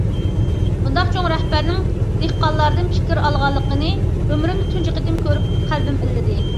بۇنداق چوڭ رەھبەرنىڭ دېھقانلاردىن پىكىر ئالغانلىقىنى ئۆمرۈمدە تۇنجى قېتىم كۆرۈپ، قەلبىم ئىللىدى.